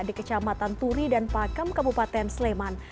di kecamatan turi dan pakem kabupaten sleman